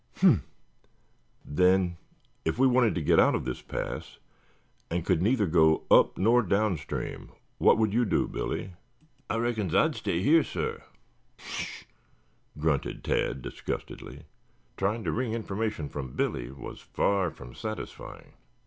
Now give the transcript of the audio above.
"Humph! Then, if we wanted to get out of this pass, and could neither go up nor downstream, what would you do, Billy?" "Ah reckons Ah'd stay heah, sah." "Pshaw!" grunted Tad disgustedly. Trying to wring information from Billy was far from satisfying.